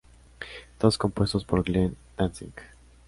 Todos compuestos por Glenn Danzig.